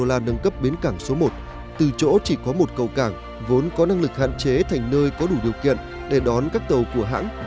tàu là nâng cấp bến cảng số một từ chỗ chỉ có một cầu cảng vốn có năng lực hạn chế thành nơi có đủ điều kiện để đón các tàu của hãng